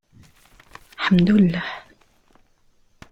Ḥemdullah.